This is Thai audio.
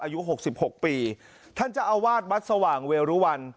อายุหกสิบหกปีท่านจะเอาวาดบัตรสว่างเวรุวัน